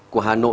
của hà nội